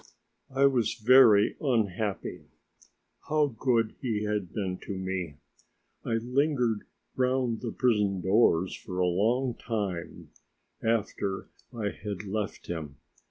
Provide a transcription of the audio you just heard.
I was very unhappy. How good he had been to me! I lingered round the prison doors for a long time after I had left him.